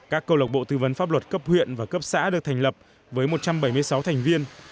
các câu lộc bộ tư vấn pháp luật cấp huyện và cấp xã được thành lập với một trăm bảy mươi sáu thành viên